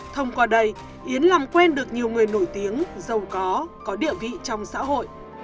thông qua đây yến làm quen được nhiều người nổi tiếng giàu có có địa vị trong xã hội